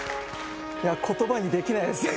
言葉にできないですね